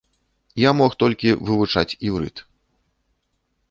Я мог толькі вывучаць іўрыт.